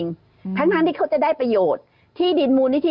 นี่เขาจะได้ประโยชน์ที่ดินมูลนิธิ